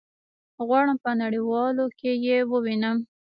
غواړم په نړيوالو کي يي ووينم